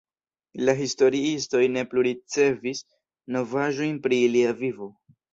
La historiistoj ne plu ricevis novaĵojn pri ilia vivo.